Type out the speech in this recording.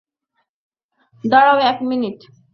দাঁড়াও এক মিনিট।